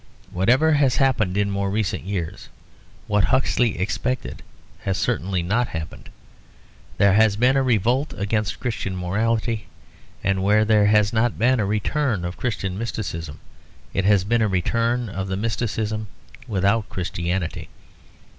Whatever has happened in more recent years, what Huxley expected has certainly not happened. There has been a revolt against Christian morality, and where there has not been a return of Christian mysticism, it has been a return of the mysticism without the Christianity.